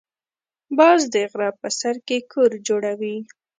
باز د غره په سر کې کور جوړوي